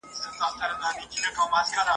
په ټپوس کي د باز خویونه نه وي ..